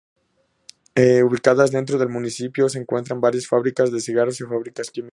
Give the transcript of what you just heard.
Ubicadas dentro del municipio se encuentran varias fábricas de cigarros y fábricas químicas.